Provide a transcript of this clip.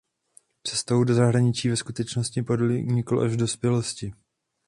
Cestu do zahraničí ve skutečnosti podnikl až v dospělosti.